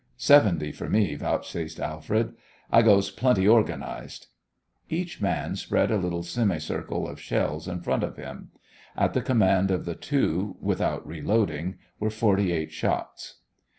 "Seventy for me," vouchsafed Alfred. "I goes plenty organised." Each man spread a little semicircle of shells in front of him. At the command of the two, without reloading, were forty eight shots.